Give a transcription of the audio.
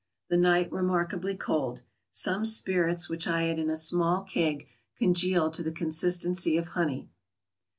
The night remarkably cold. Some spirits, which I had in a small keg, congealed to the consistency of honey.